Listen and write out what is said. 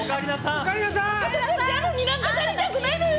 私はギャルになんかなりたくないのよ！